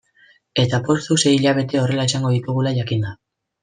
Eta poztu sei hilabete horrela izango ditugula jakinda.